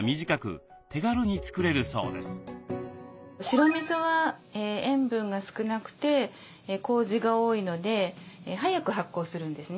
白みそは塩分が少なくてこうじが多いので早く発酵するんですね。